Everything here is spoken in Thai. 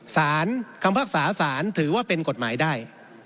สารคำพิพากษาสารถือว่าเป็นกฎหมายได้